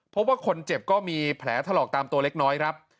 พบว่าคนเจ็บก็มีแผลถลอกตามตัวเล็กน้อยครับ